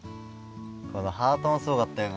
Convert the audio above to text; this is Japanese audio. このハートもすごかったよね。